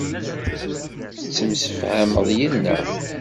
Tettemsefhameḍ yid-neɣ.